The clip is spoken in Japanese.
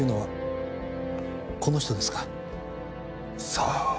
さあ？